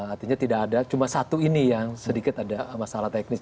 artinya tidak ada cuma satu ini yang sedikit ada masalah teknis